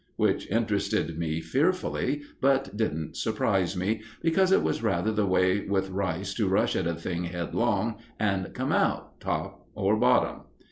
Which interested me fearfully, but didn't surprise me, because it was rather the way with Rice to rush at a thing head long and come out top or bottom.